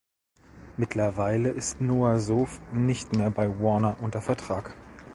Mittlerweile ist Noah Sow nicht mehr bei Warner unter Vertrag.